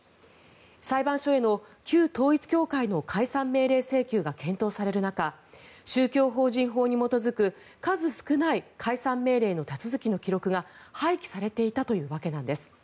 裁判所への旧統一教会の解散命令請求が検討される中宗教法人法に基づく数少ない解散命令の記録が廃棄されていたというわけなんです。